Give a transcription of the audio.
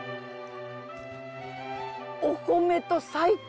お米と最高！